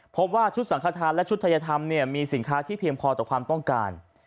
พบว่าชุดสังขทานและชุดไทยธรรมมีสินค้าที่เพียงพอต่อความต้องการ